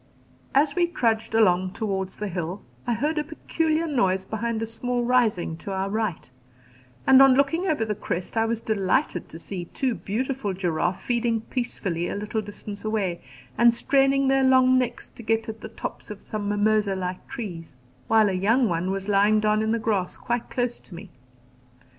As we trudged along towards the hill, I heard a peculiar noise behind a small rising on our right, and on looking over the crest, I was delighted to see two beautiful giraffe feeding peacefully a little distance away and straining their long necks to get at the tops of some mimosa like trees, while a young one was lying down in the grass quite close to me.